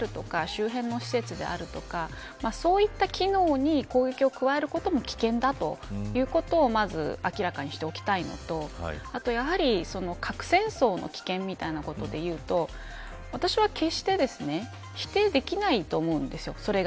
つまり人員であるとか周辺の施設であるとかそういった機能に攻撃を加えることも危険だということをまず明らかにしておきたいのとあとやはり、核戦争の危険みたいなことでいうと私は決してですね否定できないと思うんです。